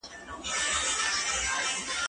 زه پوښتنه کړې ده؟!